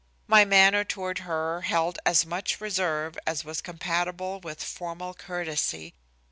My manner toward her held as much reserve as was compatible with formal courtesy.